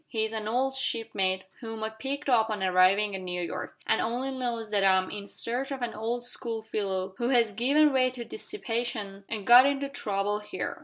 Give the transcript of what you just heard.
"He is an old shipmate whom I picked up on arriving at New York, and only knows that I am in search of an old school fellow who has given way to dissipation and got into trouble here.